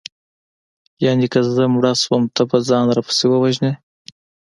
یانې که زه مړه شوم ته به ځان راپسې ووژنې